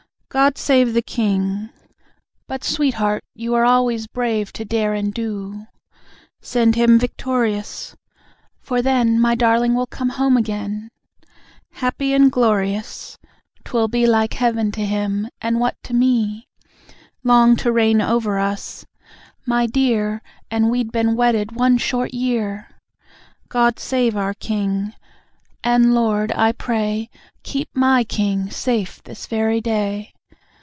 GOD SAVE THE KING. (But, sweetheart, you Were always brave to dare and do.) SEND HIM VICTORIOUS. (For then, My darling will come home again!) HAPPY AND GLORIOUS ('Twill be Like Heaven to him and what to me?) LONG TO REIGN OVER US. (My dear! And we'd been wedded one short year!) GOD SAVE OUR KING. (And Lord, I pray Keep MY King safe this very day.)